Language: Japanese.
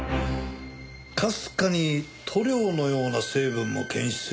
かすかに塗料のような成分も検出されたらしい。